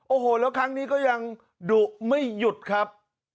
โอ้โหแล้วครั้งนี้ก็ยังดุไม่หยุดครับ